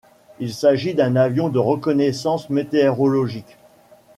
Il s'agit d'un avion de reconnaissance météorologique.